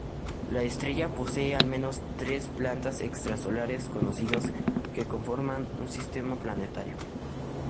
La estrella posee al menos tres planetas extrasolares conocidos, que conforman un sistema planetario.